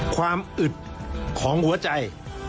ความอึดของหัวใจ